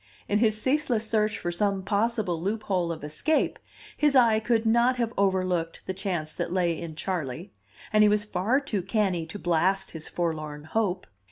In his ceaseless search for some possible loophole of escape, his eye could not have overlooked the chance that lay in Charley, and he was far too canny to blast his forlorn hope.